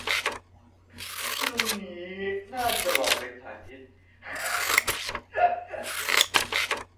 รู้งี้น่าจะหลอกไปสาธิต กร๊าก